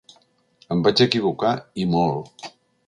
Em vaig equivocar i molt.